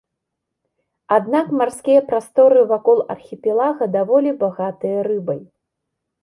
Аднак марскія прасторы вакол архіпелага даволі багатыя рыбай.